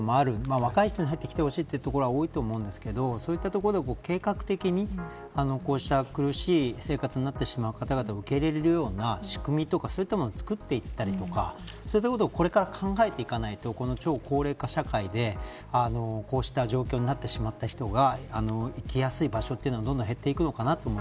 若い人に入ってきてほしい所が多いと思うんですけどそういった所で計画的にこうした苦しい生活になってしまう方々を受け入れられるような仕組みとかそういうものを作っていったりとかそういったことをこれから考えていかないと超高齢化社会で、こうした状況になってしまった人が生きやすい場所というのがどんどん減っていくのかな